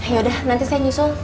ya udah nanti saya nyusul